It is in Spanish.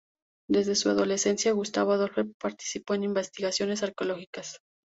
Desde su adolescencia Gustavo Adolfo participó en investigaciones arqueológicas.